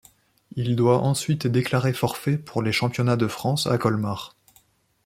Il doit ensuite déclarer forfait pour les championnats de France à Colmar.